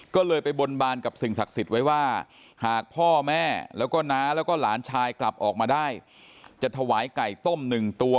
ก็เลยไปบนบานกับสิ่งศักดิ์สิทธิ์ไว้ว่าหากพ่อแม่แล้วก็น้าแล้วก็หลานชายกลับออกมาได้จะถวายไก่ต้มหนึ่งตัว